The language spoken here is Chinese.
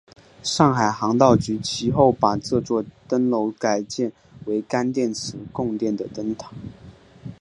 上海航道局其后把这座灯楼改建为干电池供电的灯塔。